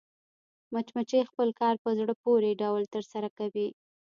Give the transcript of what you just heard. مچمچۍ خپل کار په زړه پورې ډول ترسره کوي